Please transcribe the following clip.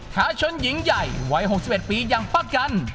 ค้าชนหญิงใหญ่วัย๖๑ปียังประกัน